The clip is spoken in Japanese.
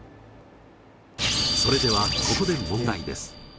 それではここで問題です。